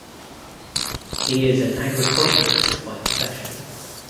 He is an Agriculturist by profession.